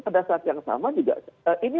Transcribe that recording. pada saat yang sama juga ini